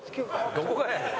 どこがやねん！